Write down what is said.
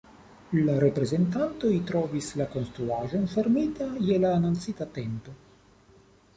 La reprezentantoj trovis la konstruaĵon fermita je la anoncita tempo.